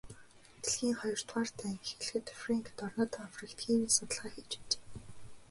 Дэлхийн хоёрдугаар дайн эхлэхэд Фрэнк дорнод Африкт хээрийн судалгаа хийж байжээ.